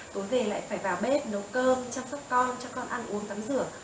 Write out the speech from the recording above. tối về lại phải vào bếp nấu cơ chăm sóc con cho con ăn uống tắm rửa